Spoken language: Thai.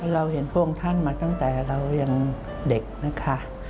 เราเห็นพระองค์ท่านมาตั้งแต่เรายังเด็กนะคะ